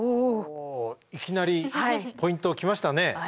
いきなりポイントきましたね。